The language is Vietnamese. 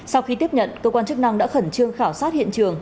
sau khi tiếp nhận cơ quan chức năng đã khẩn trương khảo sát hiện trường